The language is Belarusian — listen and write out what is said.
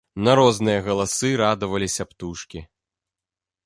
На розныя галасы радаваліся птушкі.